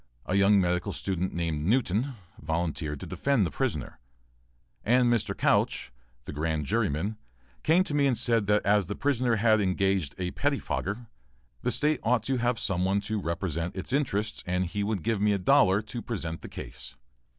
A young medical student named Newton, volunteered to defend the prisoner, and Mr. Couch, the grand juryman, came to me and said that as the prisoner had engaged a pettifogger, the State ought to have some one to represent its interests and he would give me a dollar to present the case.